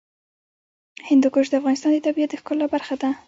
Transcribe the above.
هندوکش د افغانستان د طبیعت د ښکلا برخه ده.